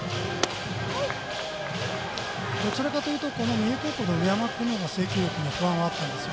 どちらかというと三重高校の上山君のほうが制球力には不安があったんですよ。